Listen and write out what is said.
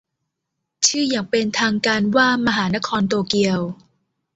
ชื่ออย่างเป็นทางการว่ามหานครโตเกียว